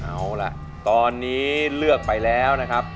เอาล่ะตอนนี้เลือกไปแล้วนะครับ